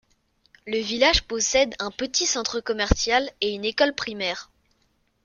Le village possède un petit centre commercial et une école primaire.